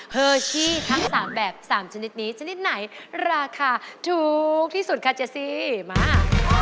เฮอร์ชี่ทั้ง๓แบบ๓ชนิดนี้ชนิดไหนราคาถูกที่สุดค่ะเจซี่มา